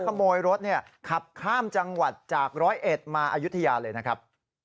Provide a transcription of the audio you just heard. ขโมยรถขับข้ามจังหวัดจากร้อยเอ็ดมาอายุทยาเลยนะครับ